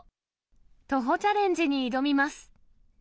徒歩チャレンジに挑みます。